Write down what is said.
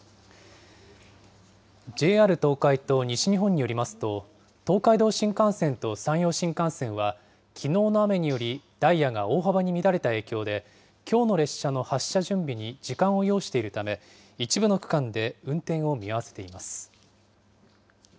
ＪＲ東海と西日本によりますと、東海道新幹線と山陽新幹線は、きのうの雨によりダイヤが大幅に乱れた影響で、きょうの列車の発車準備に時間を要しているため、一部の区間で運転を見合わせています。